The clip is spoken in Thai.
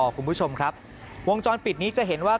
คุณผู้ชมครับวงจรปิดนี้จะเห็นว่า